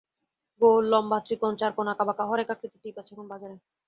গোল, লম্বা, ত্রিকোণ, চার কোণ, আঁঁকাবাঁকা হরেক আকৃতির টিপ আছে এখন বাজারে।